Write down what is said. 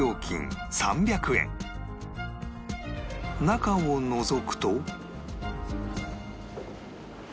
中をのぞくと